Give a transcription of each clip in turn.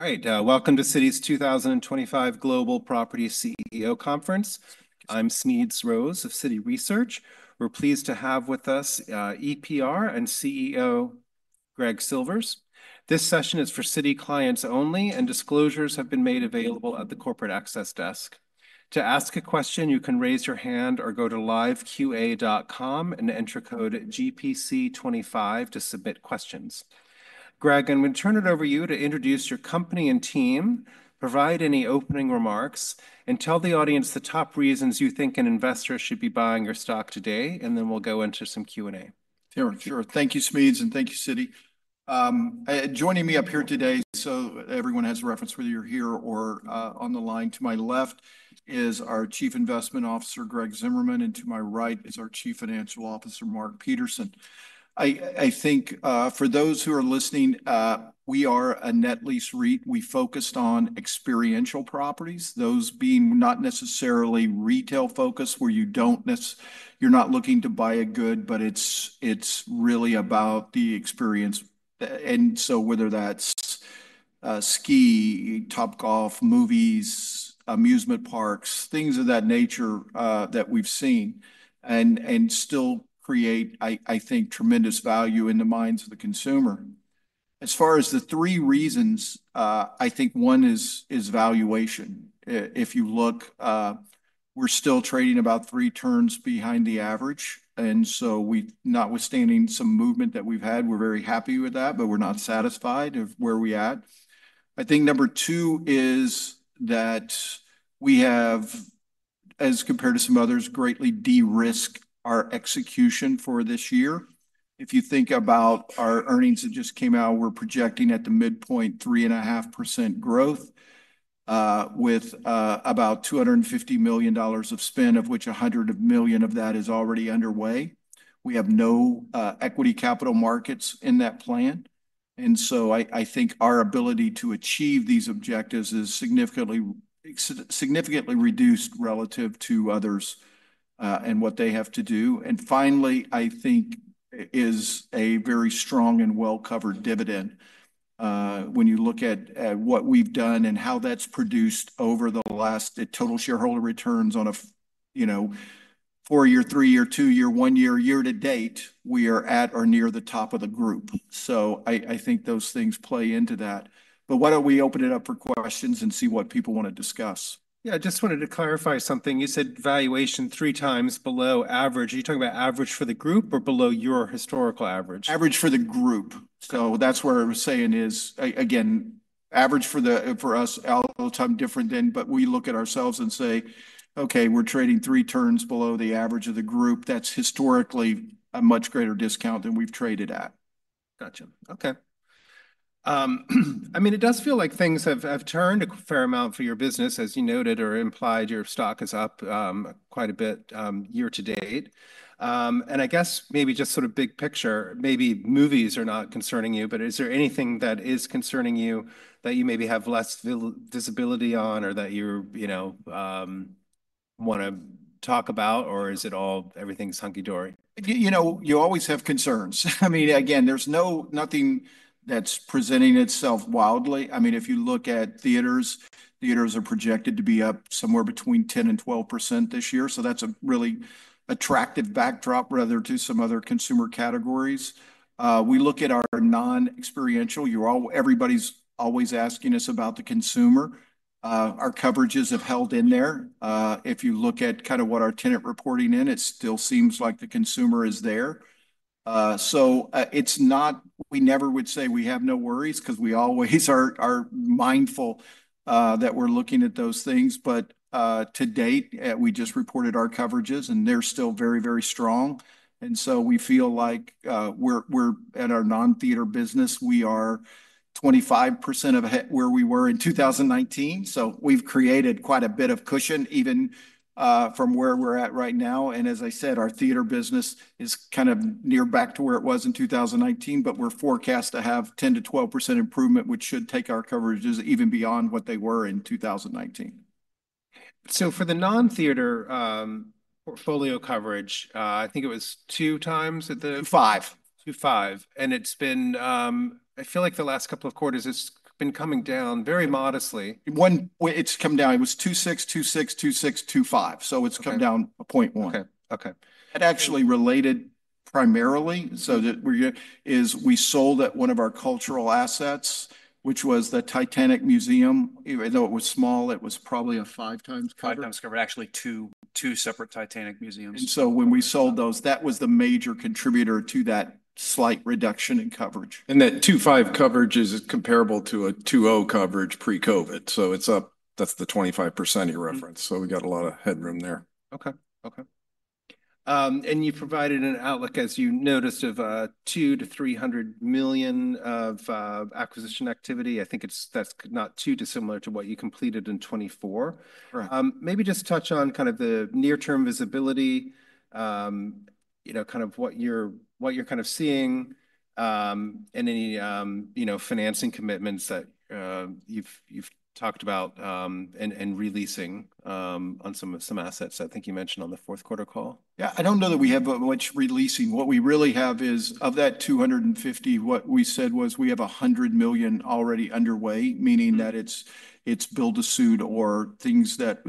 All right. Welcome to Citi's 2025 Global Properties CEO Conference. I'm Smedes Rose of Citi Research. We're pleased to have with us EPR's CEO Greg Silvers. This session is for Citi clients only, and disclosures have been made available at the Corporate Access Desk. To ask a question, you can raise your hand or go to liveqa.com and enter code GPC25 to submit questions. Greg, I'm going to turn it over to you to introduce your company and team, provide any opening remarks, and tell the audience the top reasons you think an investor should be buying your stock today. And then we'll go into some Q&A. Sure, sure. Thank you, Smedes, and thank you, Citi. Joining me up here today, so everyone has a reference whether you're here or on the line. To my left is our Chief Investment Officer, Greg Zimmerman, and to my right is our Chief Financial Officer, Mark Peterson. I think for those who are listening, we are a Net Lease REIT. We focused on experiential properties, those being not necessarily retail focused, where you don't necessarily, you're not looking to buy a good, but it's really about the experience, and so whether that's skiing, Topgolf, movies, amusement parks, things of that nature that we've seen and still create, I think, tremendous value in the minds of the consumer. As far as the three reasons, I think one is valuation. If you look, we're still trading about three turns behind the average. And so we, notwithstanding some movement that we've had, we're very happy with that, but we're not satisfied of where we're at. I think number two is that we have, as compared to some others, greatly de-risked our execution for this year. If you think about our earnings that just came out, we're projecting at the midpoint 3.5% growth with about $250 million of spend, of which $100 million of that is already underway. We have no equity capital markets in that plan. And so I think our ability to achieve these objectives is significantly reduced relative to others and what they have to do. And finally, I think is a very strong and well-covered dividend. When you look at what we've done and how that's produced over the last four-year, three-year, two-year, one-year, year-to-date total shareholder returns, we are at or near the top of the group. So I think those things play into that. But why don't we open it up for questions and see what people want to discuss? Yeah, I just wanted to clarify something. You said valuation three times below average. Are you talking about average for the group or below your historical average? Average for the group. So that's where I was saying is, again, average for us all the time different than, but we look at ourselves and say, "Okay, we're trading three turns below the average of the group. That's historically a much greater discount than we've traded at. Gotcha. Okay. I mean, it does feel like things have turned a fair amount for your business, as you noted or implied, your stock is up quite a bit year to date, and I guess maybe just sort of big picture, maybe movies are not concerning you, but is there anything that is concerning you that you maybe have less visibility on or that you want to talk about, or is it all, everything's hunky-dory? You know, you always have concerns. I mean, again, there's nothing that's presenting itself wildly. I mean, if you look at theaters, theaters are projected to be up somewhere between 10% and 12% this year. So that's a really attractive backdrop rather to some other consumer categories. We look at our non-experiential. Everybody's always asking us about the consumer. Our coverages have held in there. If you look at kind of what our tenant reporting in, it still seems like the consumer is there. So it's not—we never would say we have no worries because we always are mindful that we're looking at those things. But to date, we just reported our coverages, and they're still very, very strong. And so we feel like we're at our non-theater business. We are 25% of where we were in 2019. So we've created quite a bit of cushion even from where we're at right now. And as I said, our theater business is kind of near back to where it was in 2019, but we're forecast to have 10%-12% improvement, which should take our coverages even beyond what they were in 2019. So for the non-theater portfolio coverage, I think it was two times at the. Two, five. 2.5, and it's been. I feel like the last couple of quarters it's been coming down very modestly. It's come down. It was 2.6, 2.6, 2.6, 2.5, so it's come down 0.1. Okay. Okay. That actually related primarily so that we sold at one of our cultural assets, which was the Titanic Museum. I know it was small. It was probably a five-times coverage. Five-times coverage. Actually, two separate Titanic Museums. And so when we sold those, that was the major contributor to that slight reduction in coverage. And that 2.5 coverage is comparable to a 2.0 coverage pre-COVID. So that's the 25% you referenced. So we got a lot of headroom there. Okay. Okay. And you provided an outlook, as you noticed, of $2-$300 million of acquisition activity. I think that's not too dissimilar to what you completed in 2024. Maybe just touch on kind of the near-term visibility, kind of what you're kind of seeing and any financing commitments that you've talked about and releasing on some assets that I think you mentioned on the fourth quarter call. Yeah, I don't know that we have much releasing. What we really have is of that $250 million, what we said was we have $100 million already underway, meaning that it's build-to-suit or things that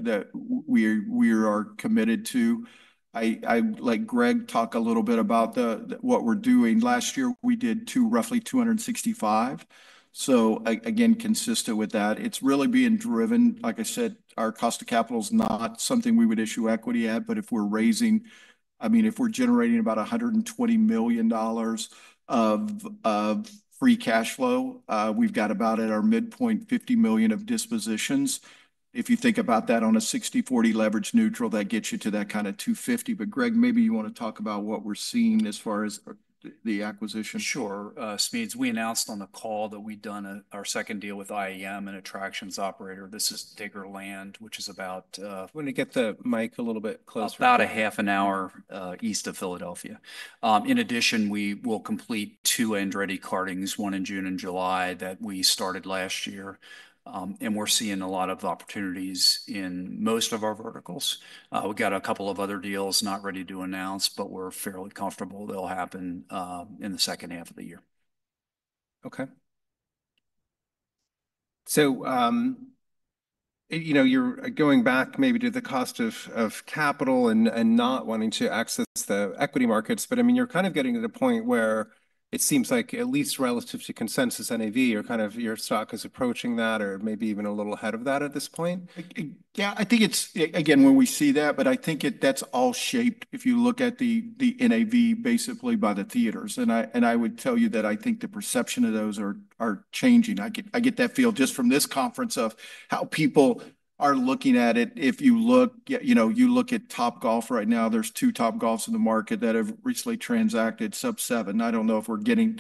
we are committed to. I'd like Greg to talk a little bit about what we're doing. Last year, we did roughly $265 million. So again, consistent with that, it's really being driven. Like I said, our cost of capital is not something we would issue equity at, but if we're raising, I mean, if we're generating about $120 million of free cash flow, we've got about at our midpoint $50 million of dispositions. If you think about that on a 60/40 leverage neutral, that gets you to that kind of $250 million. But Greg, maybe you want to talk about what we're seeing as far as the acquisition. Sure. Smedes, we announced on the call that we'd done our second deal with IEM and Attractions Operator. This is Diggerland, which is about. I'm going to get the mic a little bit closer. About a half an hour east of Philadelphia. In addition, we will complete two Andretti karting, one in June and July that we started last year. We're seeing a lot of opportunities in most of our verticals. We've got a couple of other deals not ready to announce, but we're fairly comfortable they'll happen in the second half of the year. Okay. You're going back maybe to the cost of capital and not wanting to access the equity markets, but I mean, you're kind of getting to the point where it seems like at least relative to consensus NAV, you're kind of your stock is approaching that or maybe even a little ahead of that at this point. Yeah, I think it's, again, when we see that, but I think that's all shaped if you look at the NAV basically by the theaters. I would tell you that I think the perception of those are changing. I get that feel just from this conference of how people are looking at it. If you look at Topgolf right now, there's two Topgolfs in the market that have recently transacted sub-seven. I don't know if we're getting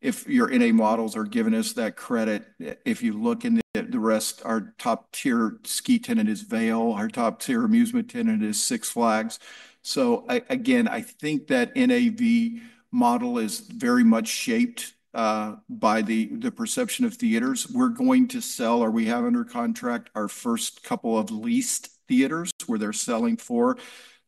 if your NAV models are giving us that credit. If you look in the rest, our top-tier ski tenant is Vail. Our top-tier amusement tenant is Six Flags. So again, I think that NAV model is very much shaped by the perception of theaters. We're going to sell or we have under contract our first couple of leased theaters where they're selling for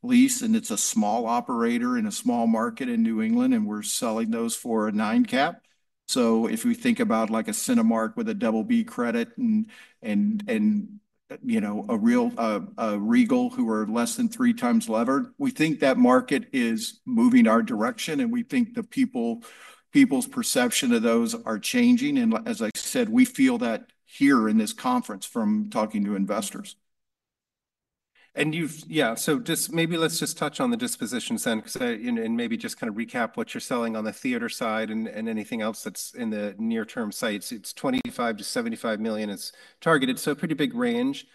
lease, and it's a small operator in a small market in New England, and we're selling those for a nine cap. So if we think about like a Cinemark with a double-B credit and a Regal who are less than three times levered, we think that market is moving our direction, and we think the people's perception of those are changing. And as I said, we feel that here in this conference from talking to investors. And yeah, so just maybe let's just touch on the dispositions then and maybe just kind of recap what you're selling on the theater side and anything else that's in the near-term sights. It's $25 million-$75 million. It's targeted, so pretty big range.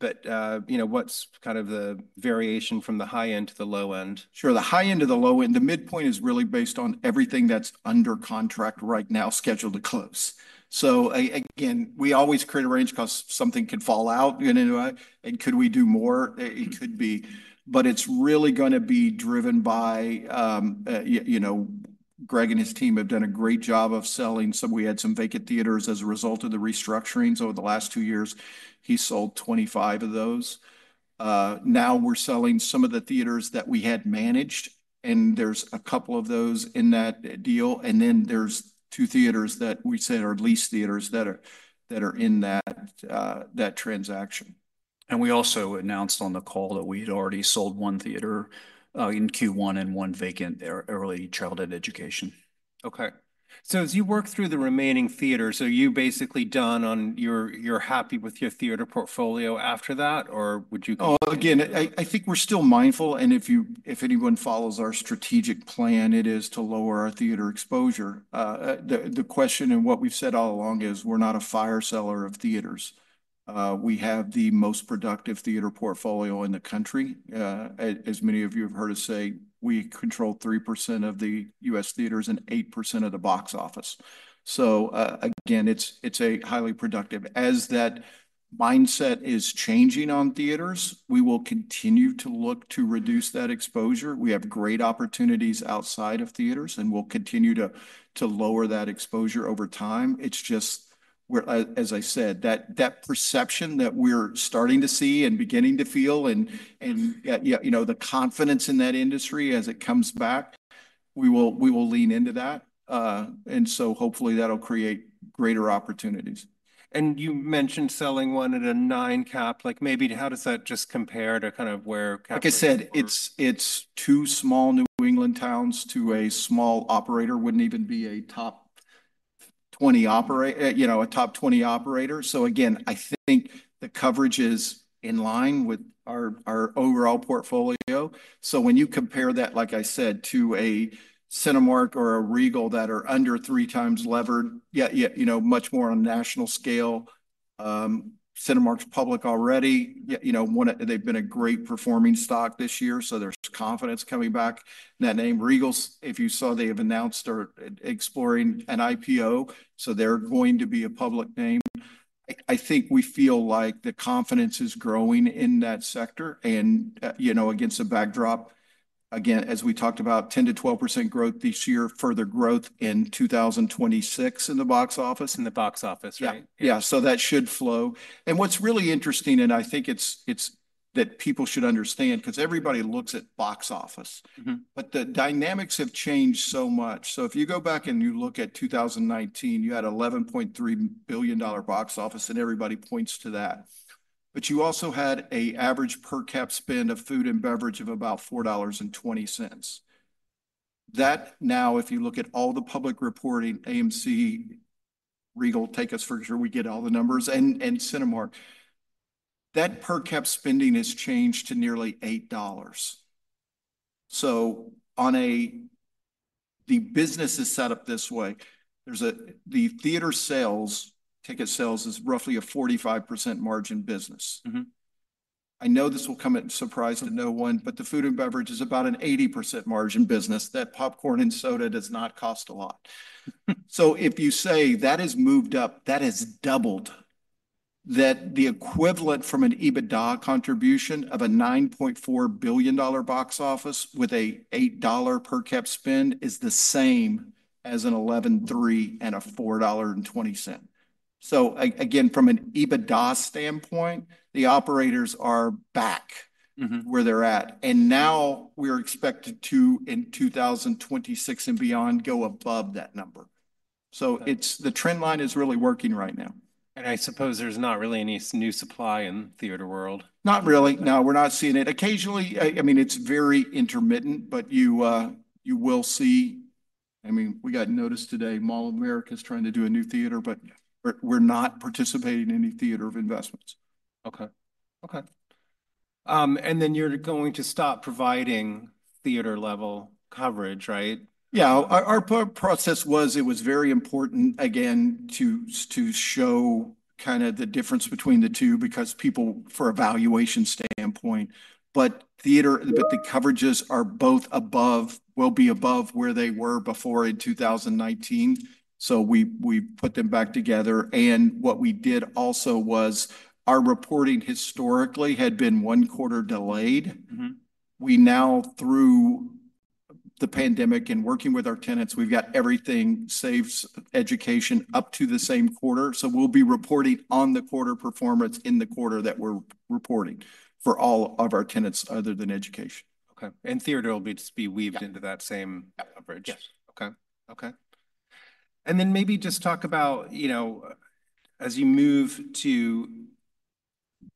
But what's kind of the variation from the high end to the low end? Sure. The high end of the low end, the midpoint is really based on everything that's under contract right now, scheduled to close. So again, we always create a range because something could fall out. And could we do more? It could be. But it's really going to be driven by Greg and his team have done a great job of selling. So we had some vacant theaters as a result of the restructurings over the last two years. He sold 25 of those. Now we're selling some of the theaters that we had managed, and there's a couple of those in that deal. And then there's two theaters that we said are leased theaters that are in that transaction. And we also announced on the call that we had already sold one theater in Q1 and one vacant early childhood education. Okay, so as you work through the remaining theaters, are you basically done, or are you happy with your theater portfolio after that, or would you? Oh, again, I think we're still mindful. And if anyone follows our strategic plan, it is to lower our theater exposure. The question and what we've said all along is we're not a fire seller of theaters. We have the most productive theater portfolio in the country. As many of you have heard us say, we control 3% of the U.S. theaters and 8% of the box office. So again, it's a highly productive. As that mindset is changing on theaters, we will continue to look to reduce that exposure. We have great opportunities outside of theaters, and we'll continue to lower that exposure over time. It's just, as I said, that perception that we're starting to see and beginning to feel and the confidence in that industry as it comes back, we will lean into that. And so hopefully that'll create greater opportunities. You mentioned selling one at a nine cap. Maybe how does that just compare to kind of where? Like I said, it's two small New England towns to a small operator wouldn't even be a top 20 operator. So again, I think the coverage is in line with our overall portfolio. So when you compare that, like I said, to a Cinemark or a Regal that are under three times levered, much more on national scale, Cinemark's public already. They've been a great performing stock this year. So there's confidence coming back. That name Regal, if you saw, they have announced or exploring an IPO. So they're going to be a public name. I think we feel like the confidence is growing in that sector. And against the backdrop, again, as we talked about, 10% to 12% growth this year, further growth in 2026 in the box office. In the box office, right? Yeah. So that should flow. And what's really interesting, and I think it's that people should understand because everybody looks at box office, but the dynamics have changed so much. So if you go back and you look at 2019, you had $11.3 billion box office, and everybody points to that. But you also had an average per cap spend of food and beverage of about $4.20. That now, if you look at all the public reporting, AMC, Regal, take us for sure, we get all the numbers and Cinemark, that per cap spending has changed to nearly $8. So the business is set up this way. The theater sales, ticket sales is roughly a 45% margin business. I know this will come as a surprise to no one, but the food and beverage is about an 80% margin business. That popcorn and soda does not cost a lot. So if you say that has moved up, that has doubled, that the equivalent from an EBITDA contribution of a $9.4 billion box office with an $8 per cap spend is the same as an 11.3 and a $4.20. So again, from an EBITDA standpoint, the operators are back where they're at. And now we're expected to, in 2026 and beyond, go above that number. So the trend line is really working right now. I suppose there's not really any new supply in the theater world. Not really. No, we're not seeing it. Occasionally, I mean, it's very intermittent, but you will see. I mean, we got notice today, Mall of America is trying to do a new theater, but we're not participating in any theater investments. Okay. Okay. And then you're going to stop providing theater-level coverage, right? Yeah. Our process was, it was very important, again, to show kind of the difference between the two because people, from a valuation standpoint, but the coverages are both above, will be above where they were before in 2019. So we put them back together. And what we did also was our reporting historically had been one quarter delayed. We now, through the pandemic and working with our tenants, we've got everything save education up to the same quarter. So we'll be reporting on the quarter performance in the quarter that we're reporting for all of our tenants other than education. Okay, and theater will just be weaved into that same coverage. Yes. Okay. And then maybe just talk about, as you move to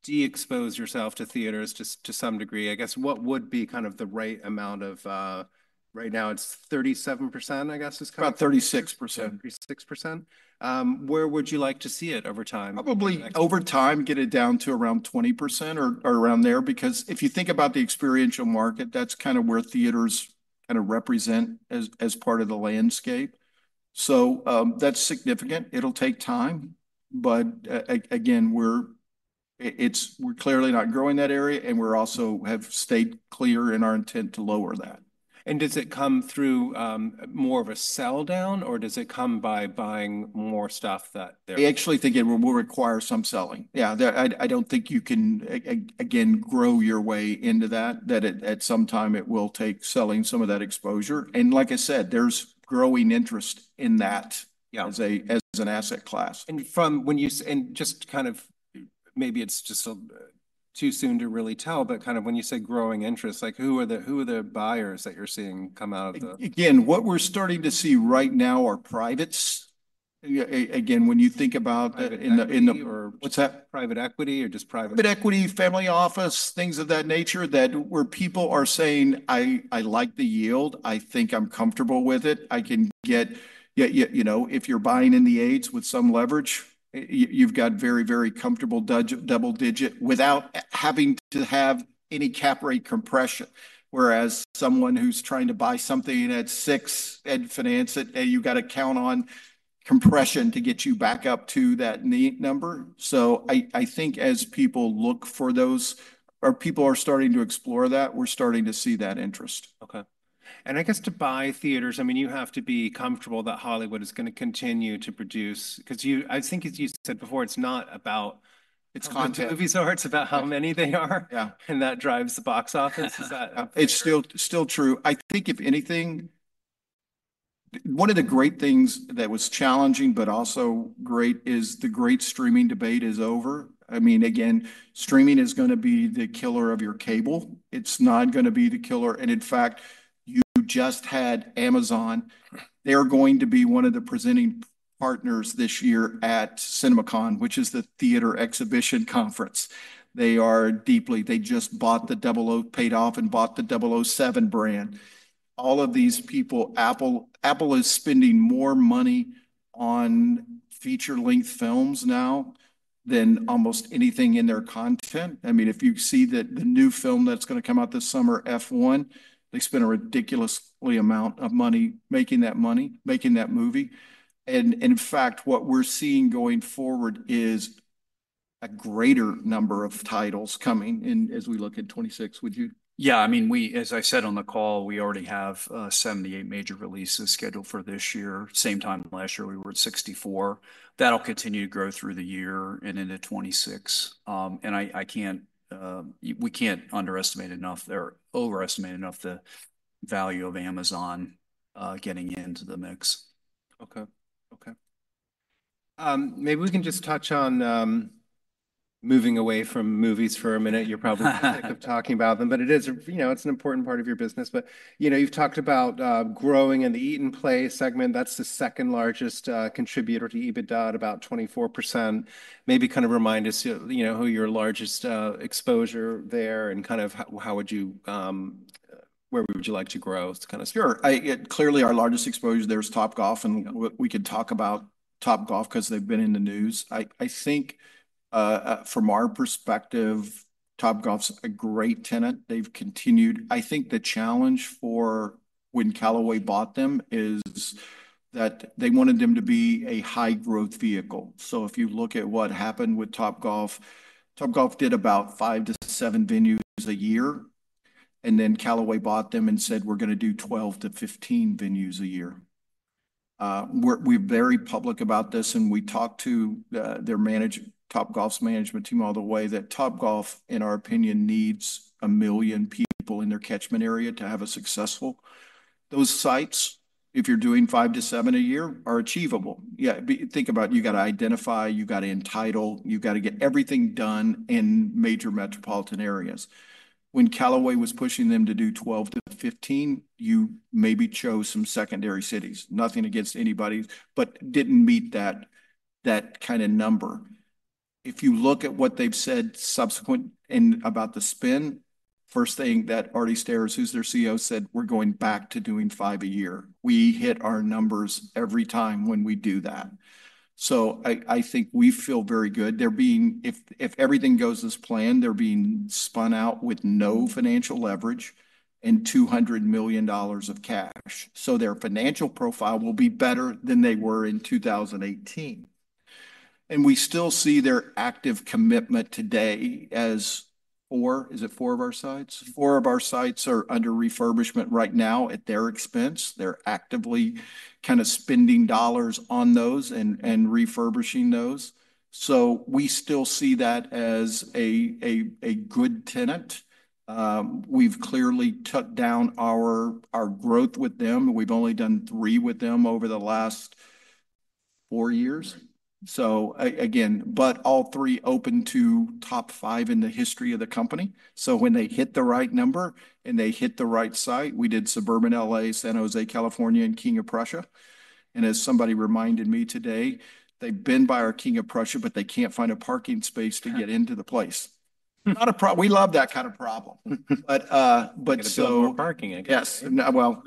de-expose yourself to theaters to some degree, I guess, what would be kind of the right amount. Right now, it's 37%, I guess, is currently? About 36%. 36%. Where would you like to see it over time? Probably over time, get it down to around 20% or around there because if you think about the experiential market, that's kind of where theaters kind of represent as part of the landscape. So that's significant. It'll take time. But again, we're clearly not growing that area, and we also have stayed clear in our intent to lower that. Does it come through more of a sell down, or does it come by buying more stuff that? I actually think it will require some selling. Yeah. I don't think you can, again, grow your way into that, at some time it will take selling some of that exposure, and like I said, there's growing interest in that as an asset class. Just kind of maybe it's just too soon to really tell, but kind of when you say growing interest, who are the buyers that you're seeing come out of the? Again, what we're starting to see right now are privates. Again, when you think about in the. What's that? Private equity or just private? Private equity, family office, things of that nature where people are saying, "I like the yield. I think I'm comfortable with it. I can get, if you're buying in the 8's with some leverage, you've got very, very comfortable double digit without having to have any cap rate compression." Whereas someone who's trying to buy something at six and finance it, you've got to count on compression to get you back up to that net number. So I think as people look for those or people are starting to explore that, we're starting to see that interest. Okay. And I guess to buy theaters, I mean, you have to be comfortable that Hollywood is going to continue to produce because I think as you said before, it's not about. It's content. It's about how many they are, and that drives the box office. Is that? It's still true. I think if anything, one of the great things that was challenging, but also great, is the great streaming debate is over. I mean, again, streaming is going to be the killer of your cable. It's not going to be the killer. And in fact, you just had Amazon. They're going to be one of the presenting partners this year at CinemaCon, which is the theater exhibition conference. They just bought the 007 IP and bought the 007 brand. All of these people, Apple is spending more money on feature-length films now than almost anything in their content. I mean, if you see the new film that's going to come out this summer, F1, they spent a ridiculous amount of money making that movie. And in fact, what we're seeing going forward is a greater number of titles coming in as we look at 2026. Would you? Yeah. I mean, as I said on the call, we already have 78 major releases scheduled for this year. Same time last year, we were at 64. That'll continue to grow through the year and into 2026. And we can't underestimate enough or overestimate enough the value of Amazon getting into the mix. Okay. Okay. Maybe we can just touch on moving away from movies for a minute. You're probably sick of talking about them, but it's an important part of your business. But you've talked about growing in the Eat and Play segment. That's the second largest contributor to EBITDA, at about 24%. Maybe kind of remind us who your largest exposure there and kind of how would you where would you like to grow? Sure. Clearly, our largest exposure there is Topgolf, and we could talk about Topgolf because they've been in the news. I think from our perspective, Topgolf's a great tenant. They've continued. I think the challenge for when Callaway bought them is that they wanted them to be a high-growth vehicle. So if you look at what happened with Topgolf, Topgolf did about five to seven venues a year, and then Callaway bought them and said, "We're going to do 12 to 15 venues a year." We're very public about this, and we talked to their manager, Topgolf's management team all the way that Topgolf, in our opinion, needs a million people in their catchment area to have a successful. Those sites, if you're doing five to seven a year, are achievable. Yeah. Think about it. You got to identify. You got to entitle. You got to get everything done in major metropolitan areas. When Callaway was pushing them to do 12-15, you maybe chose some secondary cities. Nothing against anybody, but didn't meet that kind of number. If you look at what they've said subsequent about the spin, first thing that Artie Starrs, who's their CEO, said, "We're going back to doing five a year. We hit our numbers every time when we do that." So I think we feel very good. If everything goes as planned, they're being spun out with no financial leverage and $200 million of cash. So their financial profile will be better than they were in 2018. We still see their active commitment today as four. Is it four of our sites? Four of our sites are under refurbishment right now at their expense. They're actively kind of spending dollars on those and refurbishing those. So we still see that as a good tenant. We've clearly cut down our growth with them. We've only done three with them over the last four years. So again, but all three open to top five in the history of the company. So when they hit the right number and they hit the right site, we did Suburban LA, San Jose, California, and King of Prussia. And as somebody reminded me today, they've been by our King of Prussia, but they can't find a parking space to get into the place. We love that kind of problem. It's still parking, I guess. Yes. Well,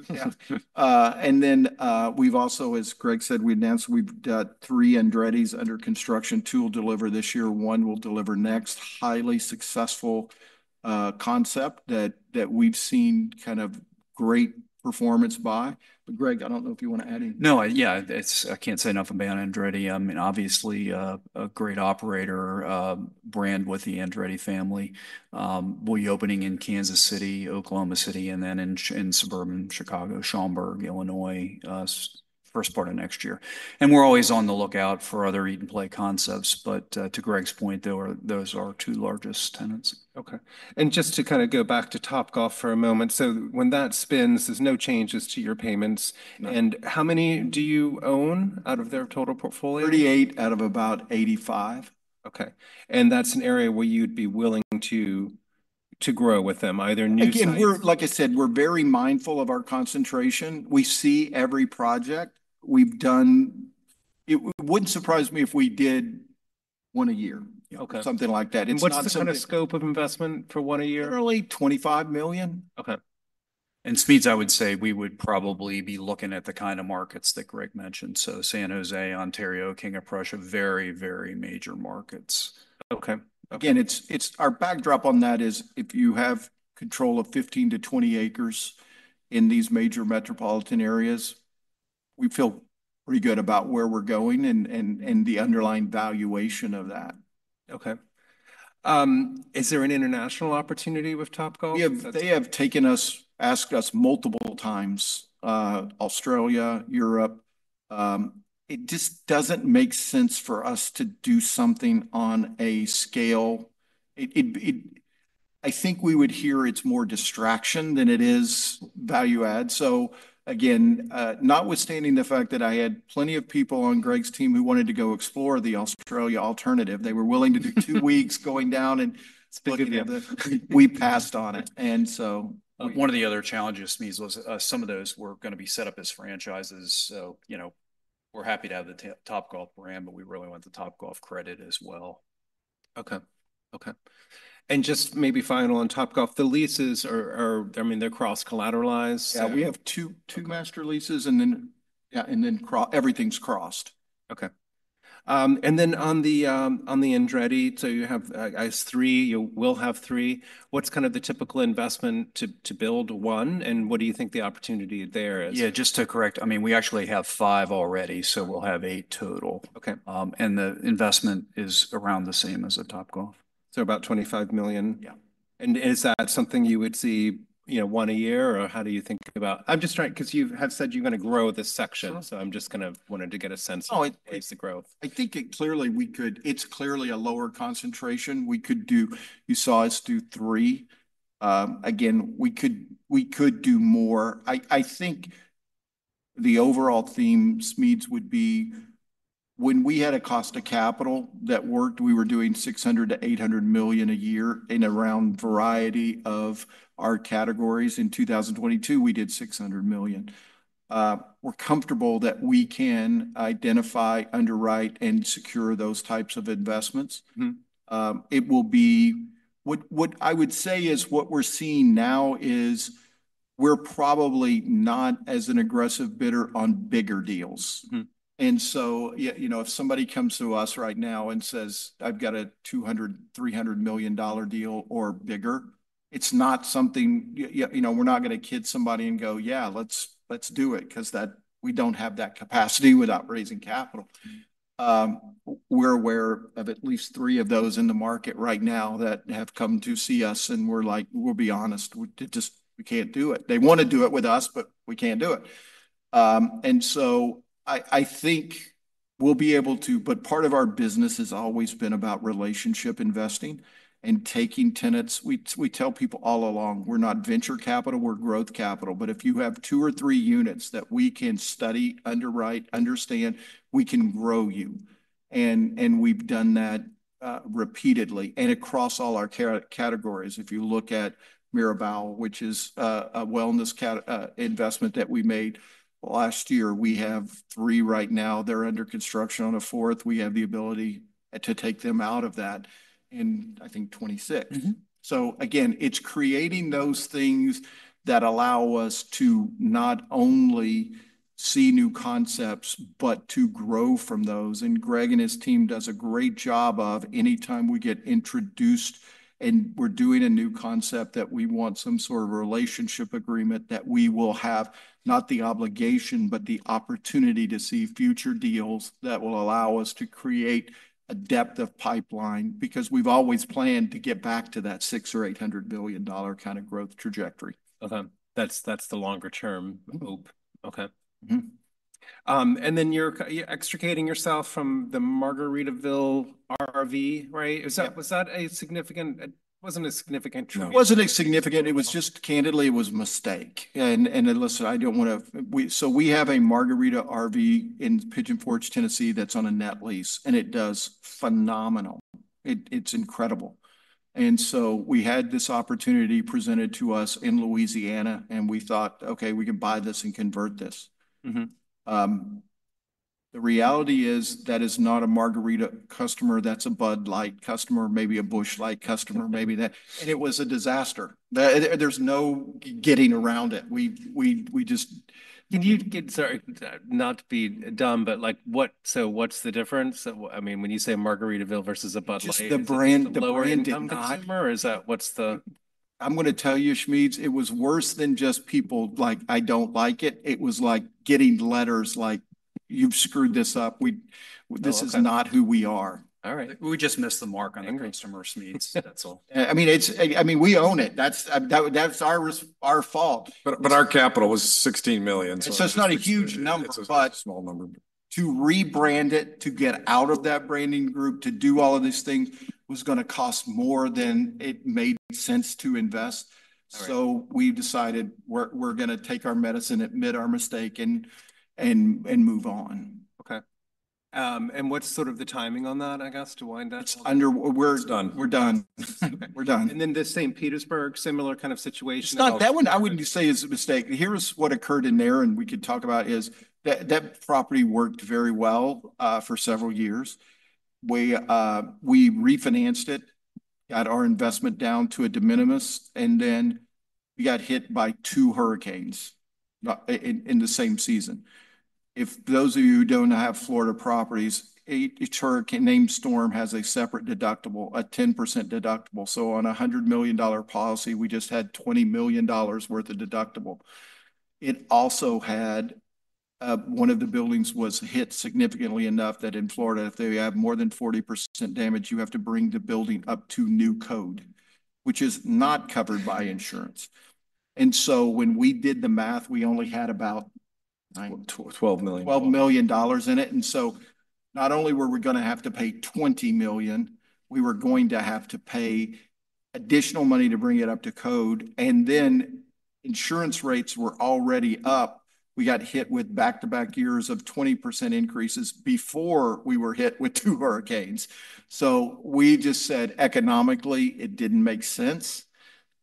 and then we've also, as Greg said, we announced we've got three Andrettis under construction. Two will deliver this year. One will deliver next. Highly successful concept that we've seen kind of great performance by. But Greg, I don't know if you want to add anything. No, yeah. I can't say nothing bad on Andretti. I mean, obviously a great operator, brand with the Andretti family. We'll be opening in Kansas City, Oklahoma City, and then in suburban Chicago, Schaumburg, Illinois, first part of next year. And we're always on the lookout for other eat and play concepts. But to Greg's point, those are our two largest tenants. Okay. And just to kind of go back to Topgolf for a moment. So when that spins, there's no changes to your payments. And how many do you own out of their total portfolio? 38 out of about 85. Okay. And that's an area where you'd be willing to grow with them, either new sites. Again, like I said, we're very mindful of our concentration. We see every project. It wouldn't surprise me if we did one a year, something like that. What's the kind of scope of investment for one a year? Early, $25 million. Okay. And sites, I would say we would probably be looking at the kind of markets that Greg mentioned. So San Jose, Ontario, King of Prussia, very, very major markets. Okay. Again, our backdrop on that is if you have control of 15-20 acres in these major metropolitan areas, we feel pretty good about where we're going and the underlying valuation of that. Okay. Is there an international opportunity with Topgolf? They have taken us, asked us multiple times: Australia, Europe. It just doesn't make sense for us to do something on a scale. I think here it's more distraction than it is value add. So again, notwithstanding the fact that I had plenty of people on Greg's team who wanted to go explore the Australia alternative, they were willing to do two weeks going down and we passed on it. And so. One of the other challenges to me was some of those were going to be set up as franchises. So we're happy to have the Topgolf brand, but we really want the Topgolf credit as well. Okay. Okay. And just maybe final on Topgolf, the leases, I mean, they're cross-collateralized. Yeah. We have two master leases and then everything's crossed. Okay. And then on the Andretti, so you have I guess three, you will have three. What's kind of the typical investment to build one? And what do you think the opportunity there is? Yeah. Just to correct, I mean, we actually have five already, so we'll have eight total, and the investment is around the same as a Topgolf. About $25 million? Yeah. Is that something you would see once a year or how do you think about? I'm just trying because you had said you're going to grow this section. I'm just kind of want to get a sense of the growth. I think, clearly, we could. It's clearly a lower concentration. We could do. You saw us do three. Again, we could do more. I think the overall theme spend would be when we had a cost of capital that worked, we were doing $600 million-$800 million a year in a wide variety of our categories. In 2022, we did $600 million. We're comfortable that we can identify, underwrite, and secure those types of investments. It will be, what I would say, is what we're seeing now is we're probably not as aggressive a bidder on bigger deals. And so if somebody comes to us right now and says, "I've got a $200-$300 million deal or bigger," it's not something we're not going to kid somebody and go, "Yeah, let's do it because we don't have that capacity without raising capital." We're aware of at least three of those in the market right now that have come to see us and we're like, "We'll be honest, we can't do it." They want to do it with us, but we can't do it. And so I think we'll be able to, but part of our business has always been about relationship investing and taking tenants. We tell people all along, "We're not venture capital, we're growth capital." But if you have two or three units that we can study, underwrite, understand, we can grow you. And we've done that repeatedly and across all our categories. If you look at Miraval, which is a wellness investment that we made last year, we have three right now. They're under construction on a fourth. We have the ability to take them out of that in, I think, 2026. So again, it's creating those things that allow us to not only see new concepts, but to grow from those. And Greg and his team does a great job of anytime we get introduced and we're doing a new concept that we want some sort of relationship agreement that we will have not the obligation, but the opportunity to see future deals that will allow us to create a depth of pipeline because we've always planned to get back to that $600 million or $800 million-dollar kind of growth trajectory. Okay. That's the longer-term hope. Okay. And then you're extricating yourself from the Margaritaville RV, right? Was that a significant? It wasn't a significant change. It wasn't a significant. It was just candidly, it was a mistake. And listen, I don't want to, so we have a Margaritaville RV in Pigeon Forge, Tennessee that's on a net lease, and it does phenomenal. It's incredible. And so we had this opportunity presented to us in Louisiana, and we thought, "Okay, we can buy this and convert this." The reality is that is not a Margaritaville customer. That's a Bud Light customer, maybe a Busch Light customer, maybe that. And it was a disaster. There's no getting around it. We just. Can you get, sorry, not to be dumb, but so what's the difference? I mean, when you say Margaritaville versus a Bud Light. Just the brand of the branding. Is that what's the? I'm going to tell you, Smedes, it was worse than just people like, "I don't like it." It was like getting letters like, "You've screwed this up. This is not who we are. All right. We just missed the mark on the customer segments. That's all. I mean, we own it. That's our fault. But our capital was $16 million. So it's not a huge number, but to rebrand it, to get out of that branding group, to do all of these things was going to cost more than it made sense to invest. So we've decided we're going to take our medicine, admit our mistake, and move on. Okay. And what's sort of the timing on that, I guess, to wind up? We're done. We're done. We're done. The St. Petersburg, similar kind of situation. That one, I wouldn't say is a mistake. Here's what occurred in there, and we could talk about is that property worked very well for several years. We refinanced it, got our investment down to a de minimis, and then we got hit by two hurricanes in the same season. If those of you who don't have Florida properties, each hurricane named storm has a separate deductible, a 10% deductible. So on a $100 million policy, we just had $20 million worth of deductible. It also had one of the buildings was hit significantly enough that in Florida, if they have more than 40% damage, you have to bring the building up to new code, which is not covered by insurance, and so when we did the math, we only had about. 12 million. $12 million in it. And so not only were we going to have to pay $20 million, we were going to have to pay additional money to bring it up to code. And then insurance rates were already up. We got hit with back-to-back years of 20% increases before we were hit with two hurricanes. So we just said economically, it didn't make sense.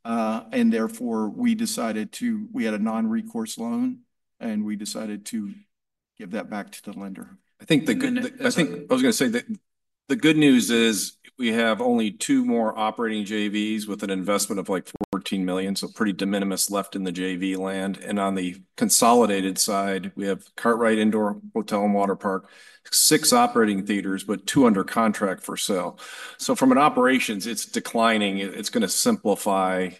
And therefore, we decided to, we had a non-recourse loan, and we decided to give that back to the lender. I think I was going to say that the good news is we have only two more operating JVs with an investment of like $14 million. So pretty de minimis left in the JV land. And on the consolidated side, we have Kartrite Indoor Hotel and Waterpark, six operating theaters, but two under contract for sale. So from an operations, it's declining. It's going to simplify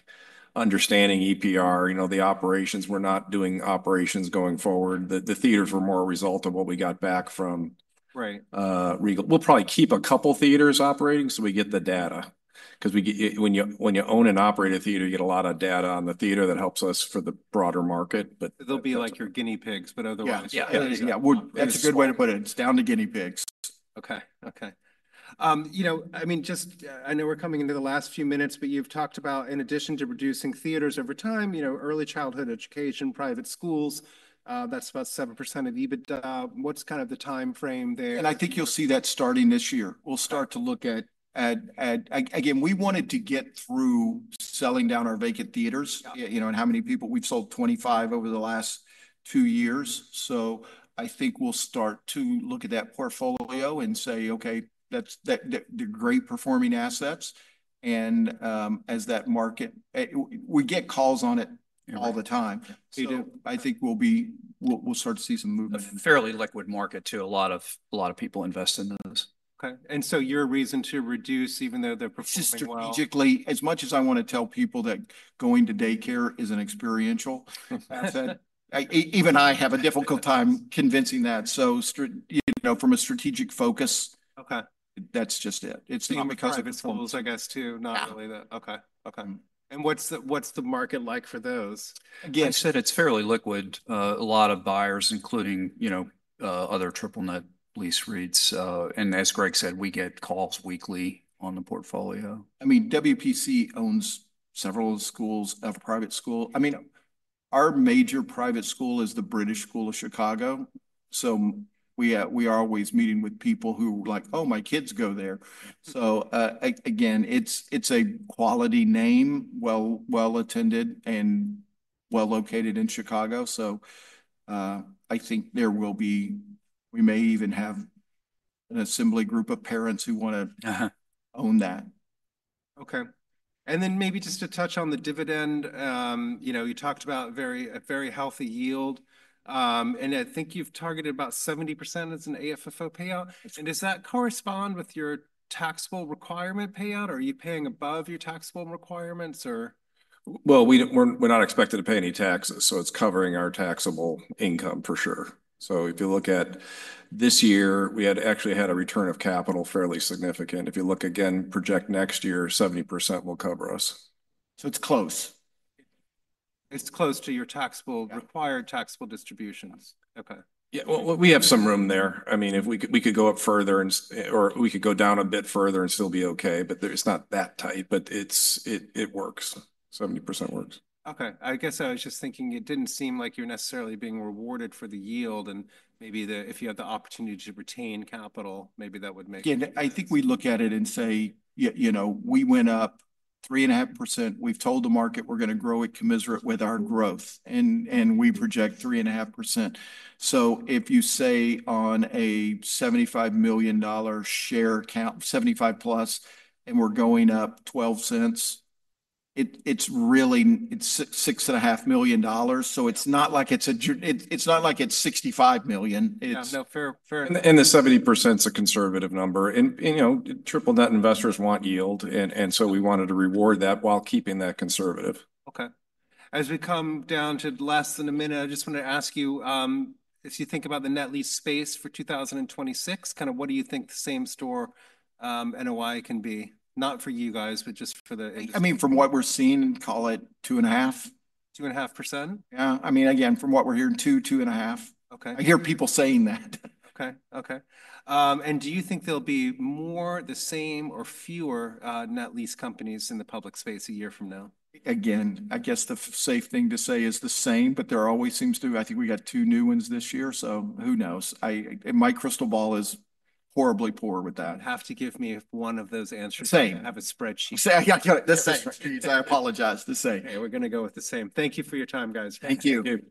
understanding EPR, the operations. We're not doing operations going forward. The theaters were more a result of what we got back from. We'll probably keep a couple theaters operating so we get the data. Because when you own and operate a theater, you get a lot of data on the theater that helps us for the broader market. But. They'll be like your guinea pigs, but otherwise. Yeah. That's a good way to put it. It's down to guinea pigs. Okay. Okay. You know, I mean, just I know we're coming into the last few minutes, but you've talked about in addition to reducing theaters over time, early childhood education, private schools, that's about 7% of EBITDA. What's kind of the timeframe there? I think you'll see that starting this year. We'll start to look at, again, we wanted to get through selling down our vacant theaters and how many people we've sold 25 over the last two years. I think we'll start to look at that portfolio and say, "Okay, that's the great performing assets." As that market, we get calls on it all the time. I think we'll start to see some movement. Fairly liquid market, too. A lot of people invest in those. Okay. And so your reason to reduce, even though the performance. Strategically, as much as I want to tell people that going to daycare is an experiential asset, even I have a difficult time convincing that. So from a strategic focus, that's just it. It's not my type. On private schools, I guess, too. Okay. And what's the market like for those? Again, I said it's fairly liquid. A lot of buyers, including other Triple Net Lease REITs. And as Greg said, we get calls weekly on the portfolio. I mean, WPC owns several schools, a private school. I mean, our major private school is the British School of Chicago. So we are always meeting with people who are like, "Oh, my kids go there." So again, it's a quality name, well attended and well located in Chicago. So I think there will be, we may even have an assembly group of parents who want to own that. Okay. And then maybe just to touch on the dividend, you talked about a very healthy yield. And I think you've targeted about 70% as an AFFO payout. And does that correspond with your taxable requirement payout? Are you paying above your taxable requirements or? We're not expected to pay any taxes. It's covering our taxable income for sure. If you look at this year, we actually had a return of capital fairly significant. If you look again, projected next year, 70% will cover us. It's close. It's close to your taxable, required taxable distributions. Okay. Yeah. Well, we have some room there. I mean, we could go up further or we could go down a bit further and still be okay, but it's not that tight, but it works. 70% works. Okay. I guess I was just thinking it didn't seem like you're necessarily being rewarded for the yield, and maybe if you had the opportunity to retain capital, maybe that would make. Again, I think we look at it and say, "We went up 3.5%. We've told the market we're going to grow it commensurate with our growth." And we project 3.5%. So if you say on a $75 million share account, 75 plus, and we're going up $0.12, it's really $6.5 million. So it's not like it's a, it's not like it's $65 million. No, fair. The 70% is a conservative number. Triple net investors want yield. So we wanted to reward that while keeping that conservative. Okay. As we come down to less than a minute, I just want to ask you, as you think about the net lease space for 2026, kind of what do you think the same-store NOI can be, not for you guys, but just for the. I mean, from what we're seeing, call it 2.5. 2.5%? Yeah. I mean, again, from what we're hearing, two, 2.5. I hear people saying that. And do you think there'll be more, the same, or fewer net lease companies in the public space a year from now? Again, I guess the safe thing to say is the same, but there always seems to. I think we got two new ones this year. So who knows? My crystal ball is horribly poor with that. Have to give me one of those answers. Same. Have a spreadsheet. Same. I apologize to say. Hey, we're going to go with the same. Thank you for your time, guys. Thank you.